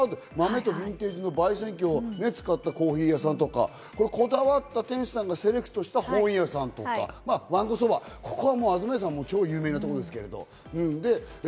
豆とビンテージの焙煎機を使ったコーヒー屋さんとか、こだわった店主さんがセレクトした本屋さんとか、わんこそば・東家さんは超有名ですよね。